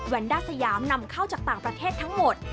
ด้าสยามนำเข้าจากต่างประเทศทั้งหมด